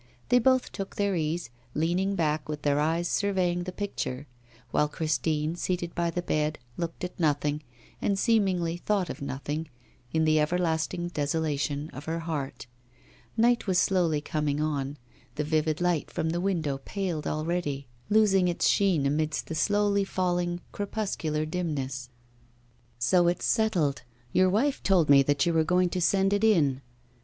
They both took their ease, leaning back, with their eyes surveying the picture; while Christine, seated by the bed, looked at nothing, and seemingly thought of nothing, in the everlasting desolation of her heart. Night was slowly coming on, the vivid light from the window paled already, losing its sheen amidst the slowly falling crepuscular dimness. 'So it's settled; your wife told me that you were going to send it in.